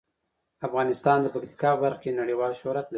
افغانستان د پکتیکا په برخه کې نړیوال شهرت لري.